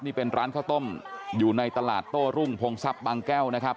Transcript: นี่เป็นร้านข้าวต้มอยู่ในตลาดโต้รุ่งพงทรัพย์บางแก้วนะครับ